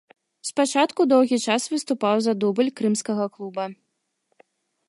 Спачатку доўгі час выступаў за дубль крымскага клуба.